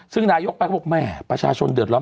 พี่เขาก็บอกว่าไม่ประชาชนเดือดร้อน